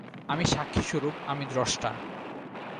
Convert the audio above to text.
আমি সাক্ষি-স্বরূপ, আমি দ্রষ্টা।